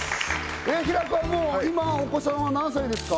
平子は今お子さんは何歳ですか？